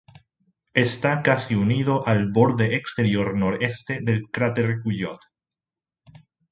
Está casi unido al borde exterior noreste del cráter Guyot.